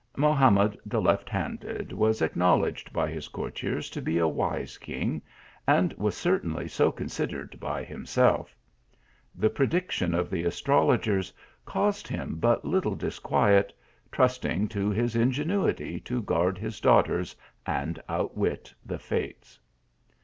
Mohamed the left handed was acknowledged by his courtiers to be a wise king, and was certainly so considered by himself. The prediction of the astrologers caused him but little disquiet, trusting to his ingenuity to guard his daughters and outwit the fates.